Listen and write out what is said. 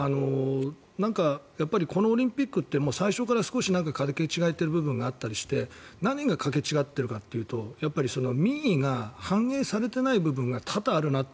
なんか、このオリンピックって最初から少し掛け違ってる部分があって何が掛け違っているかというと民意が反映されてない部分が多々あるなって